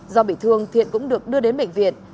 do bị thương thiện cũng được đưa đến bệnh viện